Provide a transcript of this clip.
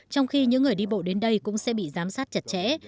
trong khi những người đi bộ đến đây cũng sẽ bị giám sát chặt chẽ